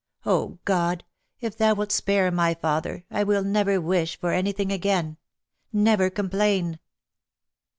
"Oh, God, if Thou wilt spare my father, I will never wish for anything again! Never complain